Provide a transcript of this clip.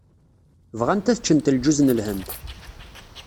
Bɣant ad ččent lǧuz n Lhend.